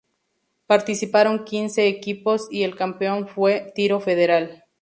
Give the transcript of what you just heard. Participaron quince equipos, y el campeón fue Tiro Federal.